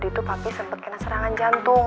tadi tuh papi sempet kena serangan jantung